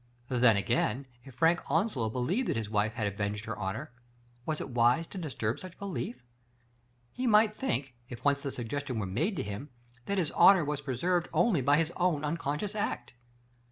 Then, again, if Frank Onslow believed that his wife had avenged her honor, was it wise to disturb such belief? He might think, if once the suggestion were made to him, that his honor was preserved only by his own unconscious act.